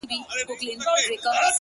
• چي د کوچ خبر یې جام د اجل راسي,